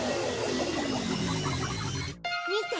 見て！